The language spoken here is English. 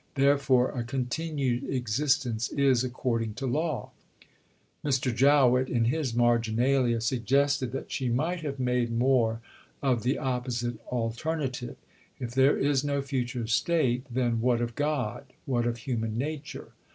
Therefore a continued existence is according to law." Mr. Jowett in his marginalia suggested that she might have made more of the opposite alternative: "If there is no future state, then what of God, what of human nature?